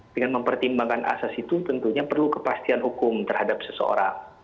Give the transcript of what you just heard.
dengan mempertimbangkan asas itu tentunya perlu kepastian hukum terhadap seseorang